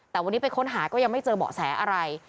แต่วันนี้ไปค้นหาก็ยังไม่เจอเบาะแสอะไร